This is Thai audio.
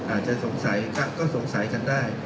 อาจจะสงสัยก็สงสัยกันได้